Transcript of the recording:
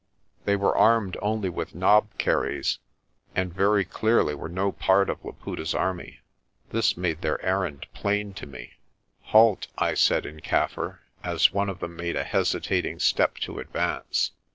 They were armed only with knobkerries, and very clearly were no part of Laputa's army. This made their errand plain to me. "Halt!" I said in Kaffir, as one of them made a hesitat ing step to advance.